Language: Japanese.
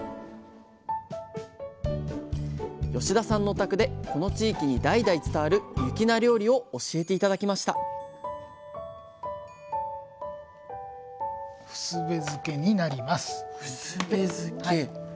田さんのお宅でこの地域に代々伝わる雪菜料理を教えて頂きました「ふすべ漬」になります。